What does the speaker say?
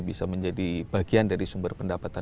bisa menjadi bagian dari sumber pendapatan